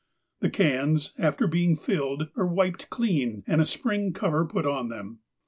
The cans after being filled, are wiped clean, and a spring cover put on them.